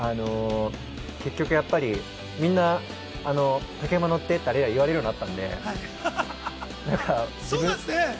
結局やっぱりみんなに竹馬乗ってって言われるようになったので、あれ以来。